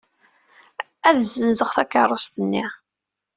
Ad ssenzeɣ takeṛṛust-nni.